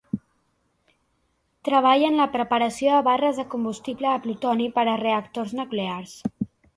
Treballa en la preparació de barres de combustible de plutoni per a reactors nuclears.